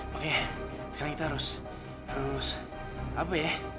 makanya sekarang kita harus apa ya